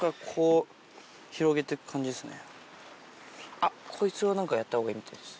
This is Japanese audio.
あっこいつは何かやった方がいいみたいです。